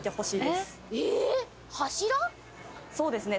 そうですね。